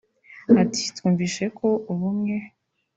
Ati“ Twumvise ko ubumwe